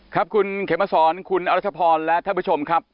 ครับคุณเขมสอนคุณอรัชพรและท่านผู้ชมครับ